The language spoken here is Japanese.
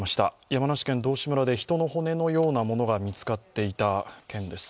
山梨県道志村で人の骨のようなものが見つかっていた件です。